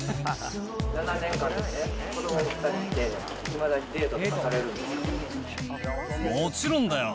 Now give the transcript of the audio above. ７年間で子ども２人いて、いまだにデートとかってされるんでもちろんだよ！